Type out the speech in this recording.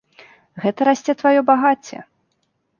Гэта расце тваё багацце!